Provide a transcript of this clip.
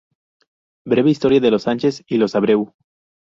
Breve historia de los Sánchez y los Abreu.